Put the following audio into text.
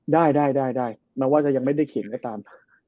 ได้ได้แม้ว่าจะยังไม่ได้เขียนก็ตาม